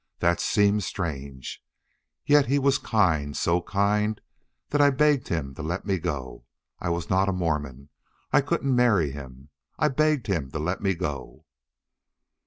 That seemed strange. Yet he was kind, so kind that I begged him to let me go. I was not a Mormon. I couldn't marry him. I begged him to let me go.